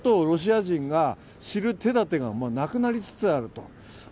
本当のことをロシア人が知る手立てがなりなりつつある。